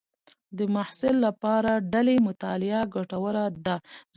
د محصل لپاره ډلې مطالعه ګټوره ده.